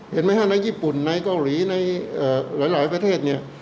เห็นไหมฮะในญี่ปุ่นในเกาหลีในหลายประเทศเนี่ย